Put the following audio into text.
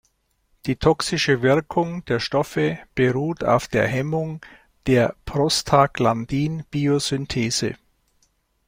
Die toxische Wirkung der Stoffe beruht auf der Hemmung der Prostaglandin-Biosynthese.